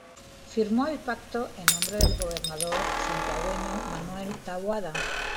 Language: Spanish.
Firmó el Pacto en nombre del gobernador santiagueño Manuel Taboada.